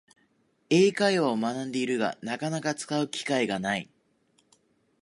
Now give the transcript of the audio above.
英会話を学んでいるが、なかなか使う機会がない